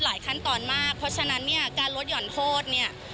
หลายขั้นตอนมากดีเพราะฉะนั้นการลดหย่อนโทษ